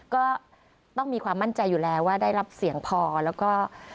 ก็ต้องมีความมั่นใจอยู่แล้วว่าได้รับเสียงพอแล้วก็